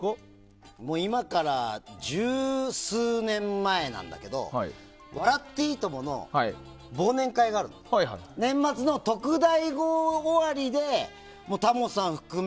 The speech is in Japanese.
今から十数年前なんだけど「笑っていいとも！」の忘年会があって年末の特大号終わりでタモさん含め